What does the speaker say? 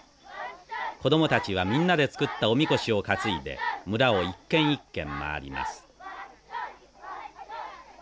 子どもたちはみんなで作ったおみこしを担いで村を一軒一軒回ります。